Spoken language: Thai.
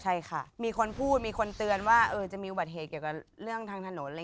ใช่ค่ะมีคนพูดมีคนเตือนว่าจะมีอุบัติเหตุเกี่ยวกับเรื่องทางถนน